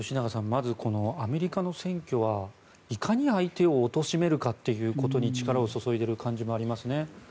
まず、アメリカの選挙はいかに相手を貶めるかということに力を注いでいる感じもありますね。